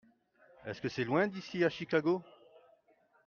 Est-ce que c'est loin d'ici à Chicago ?